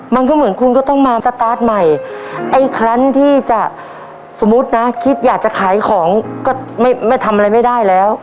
มันก็เหมือนคุณก็ต้องมาสตาร์ทใหม่ไอ้ครั้นที่จะสมมุตินะคิดอยากจะขายของก็ไม่ทำอะไรไม่ได้แล้ว